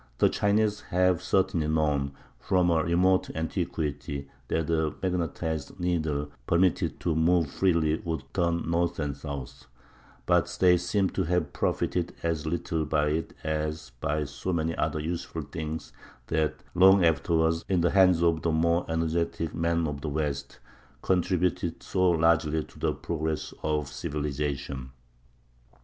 The Chinese have certainly known, from a remote antiquity, that a magnetized needle, permitted to move freely, would turn north and south; but they seem to have profited as little by it as by so many other useful things that, long afterward, in the hands of the more energetic men of the West, contributed so largely to the progress of civilization.